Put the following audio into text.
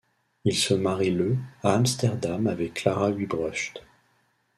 Il se marie le à Amsterdam avec Clara Huybrechts.